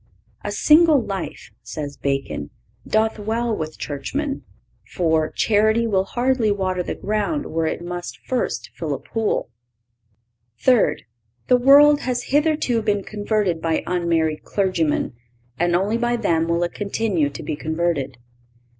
"A single life," says Bacon, "doth well with churchmen; for, charity will hardly water the ground where it must first fill a pool."(530) Third—The world has hitherto been converted by unmarried clergymen, and only by them will it continue to be converted. St.